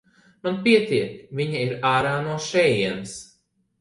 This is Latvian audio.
Man pietiek, viņa ir ārā no šejienes.